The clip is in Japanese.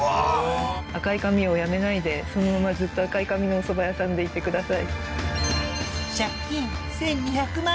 赤い髪をやめないでそのままずっと赤い髪のお蕎麦屋さんでいてください。